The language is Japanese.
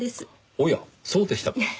おやそうでしたか。